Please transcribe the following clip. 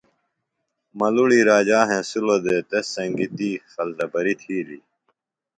ملُڑی راجا ہینسِلوۡ دےۡ تس سنگیۡ تی خلتبریۡ تھیلیۡ